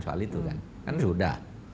soal itu kan kan sudah